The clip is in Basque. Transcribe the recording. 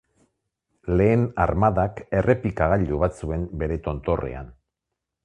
Lehen armadak errepikagailu bat zuen bere tontorrean.